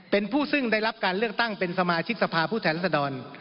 เป็นผู้ซึ่งได้รับการเลือกตั้งเป็นสมาชิกสภาพผู้แทนรัศดร